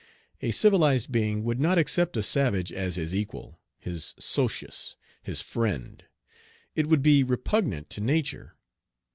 A civilized being would not accept a savage as his equal, his socius , his friend. It would be repugnant to nature.